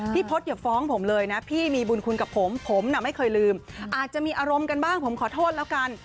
พศอย่าฟ้องผมเลยนะพี่มีบุญคุณกับผมผมน่ะไม่เคยลืมอาจจะมีอารมณ์กันบ้างผมขอโทษแล้วกัน